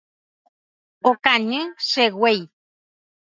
Okañy che guéi.